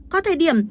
có thời điểm